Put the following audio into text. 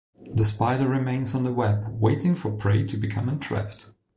The spider remains on the web waiting for prey to become entrapped.